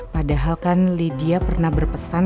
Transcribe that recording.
padahal kan lydia pernah berpesan